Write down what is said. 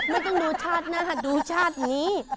ไม่ต้องดูชาติหน้าดูชาตินี้